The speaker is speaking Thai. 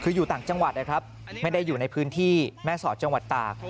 คืออยู่ต่างจังหวัดนะครับไม่ได้อยู่ในพื้นที่แม่สอดจังหวัดตาก